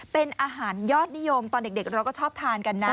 เป็นอาหารยอดนิยมตอนเด็กเราก็ชอบทานกันนะ